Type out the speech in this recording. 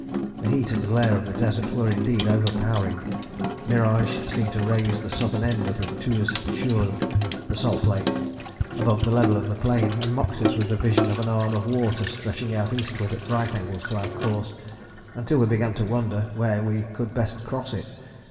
The heat and glare of the desert were indeed overpowering; mirage seemed to raise the southern end of the Touz Cheul the Salt Lake above the level of the plain, and mocked us with the vision of an arm of water stretching out eastwards at right angles to our course, until we began to wonder where we could best cross it.